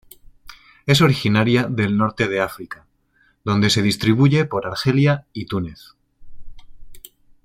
Es originaria del norte de África, donde se distribuye por Argelia y Túnez.